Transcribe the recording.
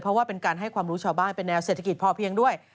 เพราะว่าเป็นการให้ความรู้ชาวบ้านเป็นแนวเศรษฐกิจพอเพียงด้วย